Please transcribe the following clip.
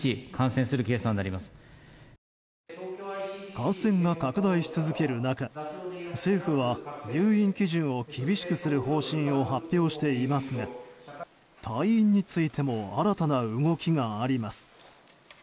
感染が拡大し続ける中政府は入院基準を厳しくする方針を発表していますが退院についても新たな動きがあります。